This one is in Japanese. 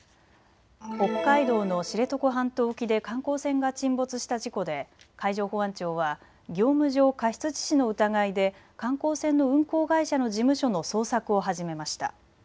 北海道の知床半島沖で観光船が沈没した事故で海上保安庁は業務上過失致死の疑いで観光船の運航会社の事務所の捜索を始めました。